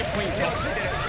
落ち着いてる。